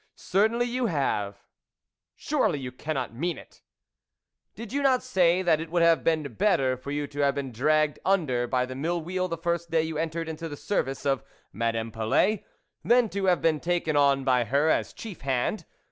" Certainly you have." " Surely you cannot mean it !"" Did you not say that it would have been better for you to have been dragged under by the mill wheel the first day you entered into the service of Madame Polet, than to have been taken on by her as chief hand